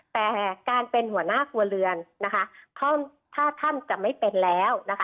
แต่การเป็นหัวหน้าครัวเรือนนะคะถ้าท่านจะไม่เป็นแล้วนะคะ